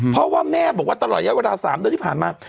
เพราะว่าแม่บอกว่าตลอดเยอะเวลา๓เดือนที่ผ่านมา